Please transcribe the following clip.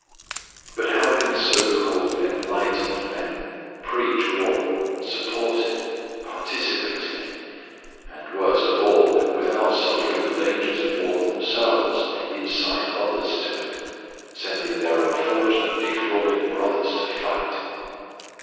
But how can so called enlightened men preach war, support it, participate in it, and, worst of all, without suffering the dangers of war themselves, incite others to it, sending their unfortunate defrauded brothers to fight?